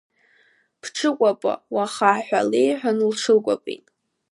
Бҽыкәаба уаха, ҳәа леиҳәан, лҽылкәабеит.